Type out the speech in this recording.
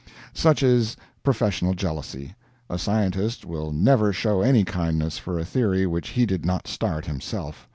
Such is professional jealousy; a scientist will never show any kindness for a theory which he did not start himself.